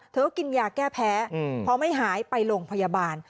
เธอก็กินยาแก้แพ้เพราะไม่หายเป็นไปโรงพยาบาล